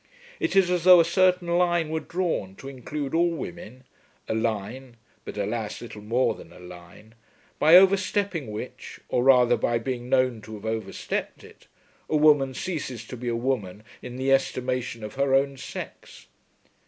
It is as though a certain line were drawn to include all women, a line, but, alas, little more than a line, by overstepping which, or rather by being known to have overstepped it, a woman ceases to be a woman in the estimation of her own sex.